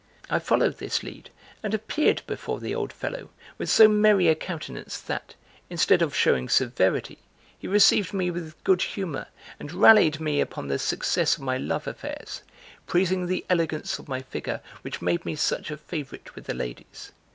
I followed this lead and appeared before the old fellow, with so merry a countenance that, instead of showing severity, he received me with good humor and rallied me upon the success of my love affairs, praising the elegance of my figure which made me such a favorite with the ladies.